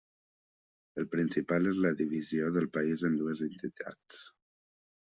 El principal és la divisió del país en dues entitats.